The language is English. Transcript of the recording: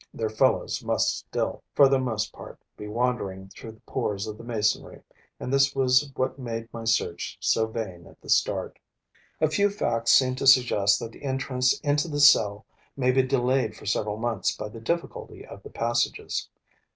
Their fellows must still, for the most part, be wandering through the pores of the masonry; and this was what made my search so vain at the start. A few facts seem to suggest that the entrance into the cell may be delayed for several months by the difficulty of the passages.